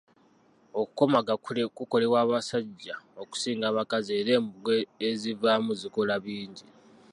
Okukomaga kukolebwa basajja okusinga abakazi era embugo ezivaamu zikola bingi.